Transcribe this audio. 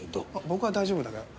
僕は大丈夫だから。